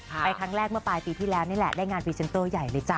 ไปครั้งแรกเมื่อปลายปีที่แล้วนี่แหละได้งานพรีเซนเตอร์ใหญ่เลยจ้